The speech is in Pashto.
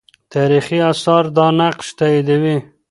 تاریخي آثار دا نقش تاییدوي.